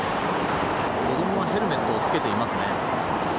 子供はヘルメットを着けています。